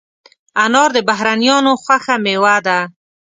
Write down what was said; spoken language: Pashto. انار د بهرنیانو خوښه مېوه ده.